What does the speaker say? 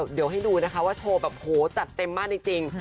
เดี๋ยวให้ดูนะคะว่าโชว์แบบโหจัดเต็มมากจริง